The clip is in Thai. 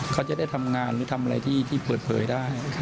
เขาจะได้ทำงานหรือทำอะไรที่เปิดเผยได้